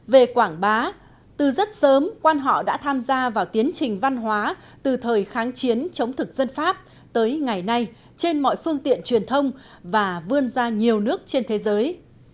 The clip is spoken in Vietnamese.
về quảng bá từ rất sớm quan họ đã tham gia vào tiến trình văn hóa từ thời kháng chiến chống thực dân pháp tới ngày nay trên mọi phương tiện truyền thông và vươn ra nhiều nước trên thế giới